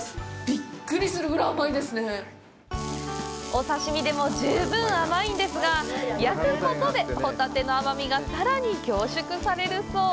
お刺身でも十分甘いんですが焼くことでホタテの甘みがさらに凝縮されるそう！